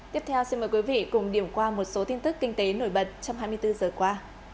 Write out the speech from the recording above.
tiếp theo xin mời quý vị cùng điểm qua một số tin tức kinh tế nổi bật trong hai mươi bốn giờ qua